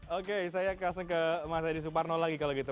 oke saya kasih ke mas edi suparno lagi kalau gitu